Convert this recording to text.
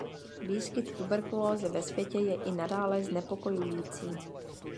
Výskyt tuberkulózy ve světě je i nadále znepokojující.